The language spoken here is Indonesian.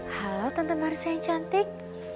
halo tante marisa yang cantik